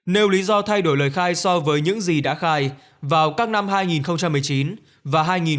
nếu lý do thay đổi lời khai so với những gì đã khai vào các năm hai nghìn một mươi chín và hai nghìn một mươi tám